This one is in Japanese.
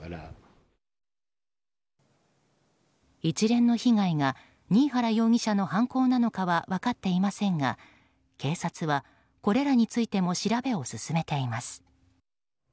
一連の被害が新原容疑者の犯行なのかは分かっていませんが警察は、これらについても調べを進めています。